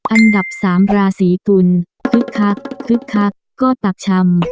อันดับ๓ราศีกุลคึกคักคึกคักก็ตักชำ